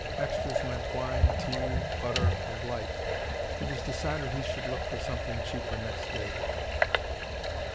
Extras meant wine, tea, butter, and light. It was decided he should look for something cheaper next day.